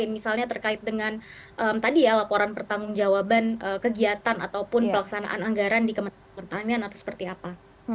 misalnya terkait dengan tadi ya laporan pertanggung jawaban kegiatan ataupun pelaksanaan anggaran di kementerian pertanian atau seperti apa